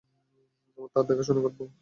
আমরা তার দেখাশোনা করব।